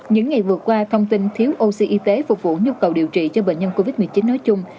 những ngày vừa qua thông tin thiếu oc y tế phục vụ nhu cầu điều trị cho bệnh nhân covid một mươi chín nói chung